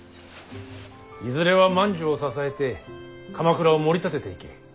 いずれは万寿を支えて鎌倉をもり立てていけ。